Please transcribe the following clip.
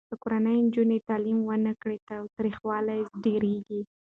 که کورنۍ نجونو ته تعلیم ورنه کړي، تاوتریخوالی ډېریږي.